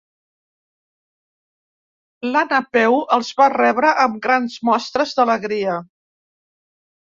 La Napeu els va rebre amb grans mostres d'alegria.